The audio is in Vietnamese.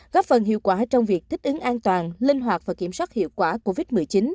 góp phần hiệu quả trong việc thích ứng an toàn linh hoạt và kiểm soát hiệu quả covid một mươi chín